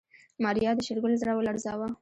ماريا د شېرګل زړه ولړزاوه.